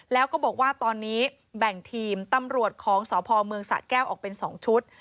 แล้วก็บอกว่าตอนนี้แบ่งทีมตำรวจของสพเมืองสะแก้วออกเป็น๒ชุด